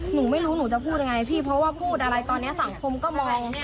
หนูไม่รู้หนูจะพูดยังไงพี่เพราะว่าพูดอะไรตอนนี้สังคมก็มอง